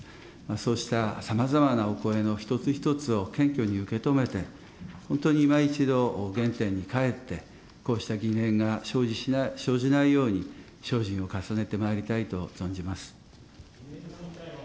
そうしたさまざまなお声の一つ一つを謙虚に受け止めて、本当にいま一度、原点に返って、こうした疑念が生じないように精進を重ねてまいりたいと存じます。